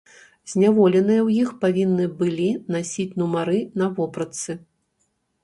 Зняволеныя ў іх павінны былі насіць нумары на вопратцы.